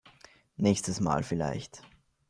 Nächstes Mal vielleicht.